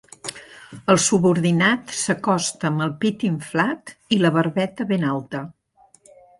El subordinat s'acosta amb el pit inflat i la barbeta ben alta.